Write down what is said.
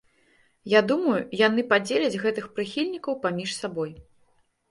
Я думаю, яны падзеляць гэтых прыхільнікаў паміж сабой.